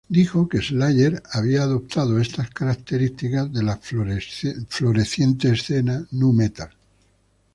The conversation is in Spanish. Dijo que Slayer adoptó estas características de la floreciente escena "nu metal".